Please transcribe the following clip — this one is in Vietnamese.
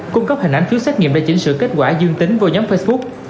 cung cấp hình ảnh phiếu xét nghiệm để chỉnh sửa kết quả dương tính với nhóm facebook